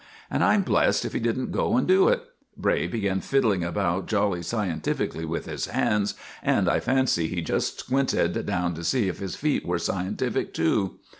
And I'm blessed if he didn't go and do it! Bray began fiddling about jolly scientifically with his hands, and I fancy he just squinted down to see if his feet were scientific too.